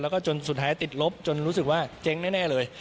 แล้วก็จนสุดท้ายติดลบจนรู้สึกว่าเจ๊งแน่เลย